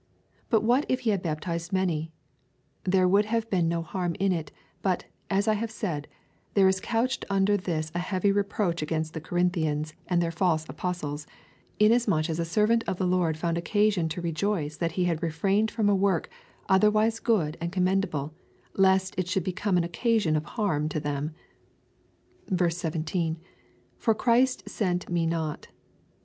But what if he had baptized many ? There would have been no harm in it, but (as I have said) there is couched under this a heavy reproach against the Corinthians and their false apostles, inasmuch as a servant of the Lord found occasion to rejoice that he had refrained from a work, otherwise good and commend able, lest it should become an occasion of harm to them, 17. For Christ sent me not.